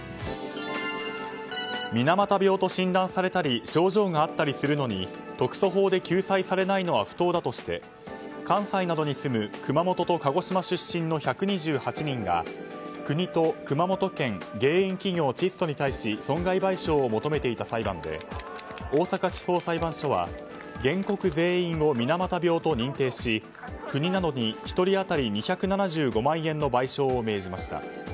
水俣病と診断されたり症状があったりするのに特措法で救済されないのは不当だとして関西などに住む熊本と鹿児島出身の１２８人が国と熊本県原因企業チッソに対し損害賠償を求めていた裁判で大阪地方裁判所は原告全員を水俣病と認定し国などに１人当たり２７５万円の賠償を命じました。